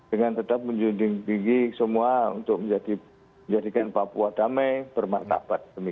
dengan tetap menjending tinggi semua untuk menjadikan papua damai bermakna abad